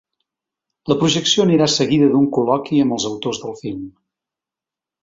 La projecció anirà seguida d’un col·loqui amb els autors del film.